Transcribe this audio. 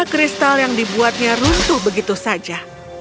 kristal yang dibuatnya runtuh begitu saja